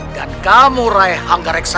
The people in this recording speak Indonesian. dan kamu rai hangga reksa